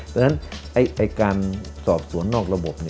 ฉะนั้นการสอบสวนนอกระบบ